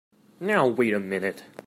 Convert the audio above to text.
Now wait a minute!